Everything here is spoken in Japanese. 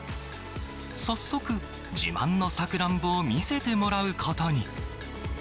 早速、自慢のさくらんぼを見せてもらうことに。